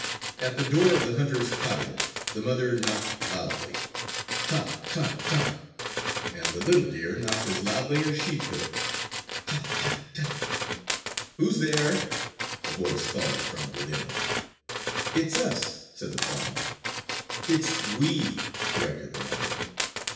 At the door of the hunter's cottage the mother knocked loudly: "Tan! Tan! Tan!" And the little deer knocked as loudly as she could. "Ta! Ta! Ta!" "Who's there?" a voice called from within. "It's us," said the fawn. "It's we," corrected the mother.